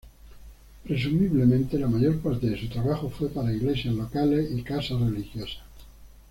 Presumiblemente, la mayor parte de su trabajo fue para iglesias locales y casas religiosas.